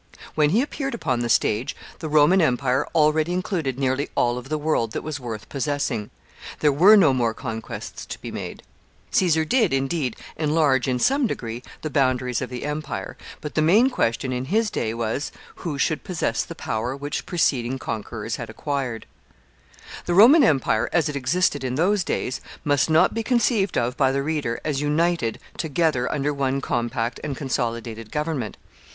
When he appeared upon the stage, the Roman empire already included nearly all of the world that was worth possessing. There were no more conquests to be made. Caesar did, indeed, enlarge, in some degree, the boundaries of the empire; but the main question in his day was, who should possess the power which preceding conquerors had acquired. [Sidenote: The ancient Roman empire.] [Sidenote: The provinces.] The Roman empire, as it existed in those days, must not be conceived of by the reader as united together under one compact and consolidated government.